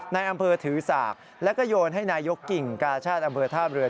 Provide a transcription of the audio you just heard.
ในอำเภอถือสากแล้วก็โยนให้นายกกิ่งกาชาติอำเภอท่าเรือ